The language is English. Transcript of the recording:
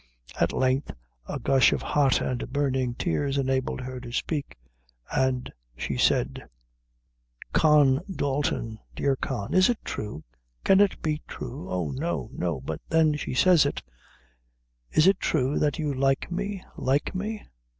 At length a gush of hot and burning tears enabled her to speak, and she said: "Con Dalton dear Con, is it true? can it be true? oh, no no but, then, she says it is it true that you like me like me!